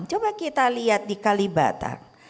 coba kita lihat di kalibata